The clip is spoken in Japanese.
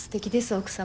奥様。